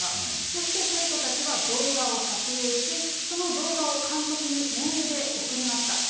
そして生徒たちは動画を撮影し、その動画を監督にメールで送りました。